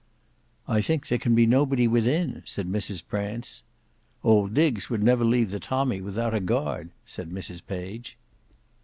"I think there can be nobody within," said Mrs Prance. "Old Diggs would never leave the tommy without a guard," said Mrs Page.